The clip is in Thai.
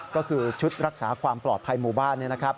ก็คือชุดรักษาความปลอดภัยหมู่บ้าน